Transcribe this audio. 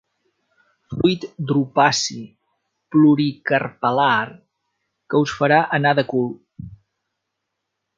Fruit drupaci pluricarpel·lar que us farà anar de cul.